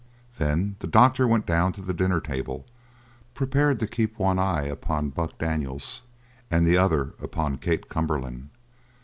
Then the doctor went down to the dinner table prepared to keep one eye upon Buck Daniels and the other upon Kate Cumberland.